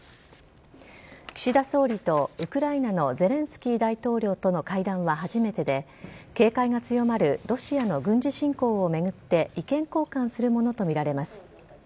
岸田総理とウクライナのゼレンスキー大統領との会談は初めてで、警戒が強まるロシアの軍事侵攻を巡って意見交換するものと見られます。